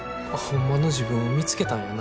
ホンマの自分を見つけたんやな。